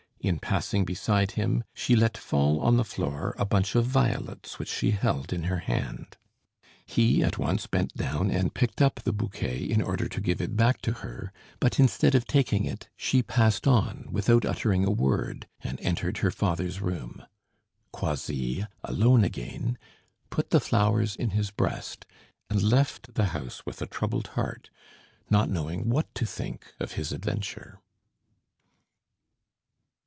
In passing beside him, she let fall on the floor a bunch of violets which she held in her hand. He at once bent down and picked up the bouquet in order to give it back to her, but instead of taking it, she passed on without uttering a word, and entered her father's room. Croisilles, alone again, put the flowers in his breast, and left the house with a troubled heart, not knowing what to think of his adventure.